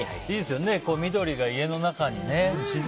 いいですよね、緑が家の中にね。